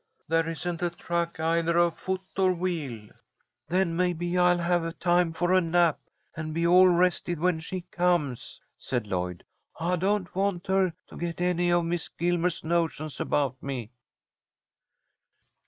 "There isn't a track either of foot or wheel." "Then maybe I'll have time for a nap, and be all rested when she comes," said Lloyd. "I don't want her to get any of Miss Gilmer's notions about me."